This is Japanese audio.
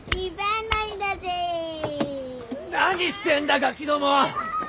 何してんだガキども！